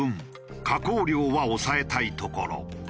加工料は抑えたいところ。